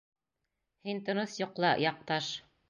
Һин тыныс йоҡла, яҡташ!